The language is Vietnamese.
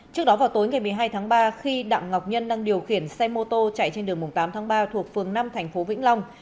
trước đó vào tối ngày một mươi hai tháng ba khi đặng ngọc nhân đang điều khiển xe mô tô chạy trên đường tám tháng ba thuộc phường năm thành phố vĩnh long